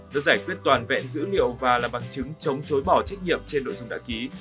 nó giải quyết toàn vẹn dữ liệu và là bằng chứng chống chối bỏ trách nhiệm trên nội dung đã ký